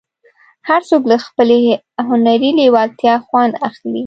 هر څوک له خپلې هنري لېوالتیا خوند اخلي.